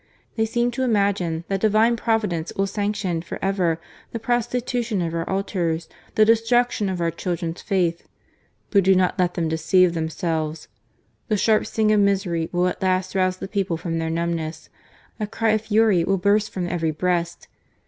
They seem to imagine that Divine Providence will sanction for ever the prosti tution of our altars, the destruction of our children's faith. But do not let them deceive themselves. " The sharp sting of misery will at last rouse the people from their numbness, a cry of fury will burst from every breast.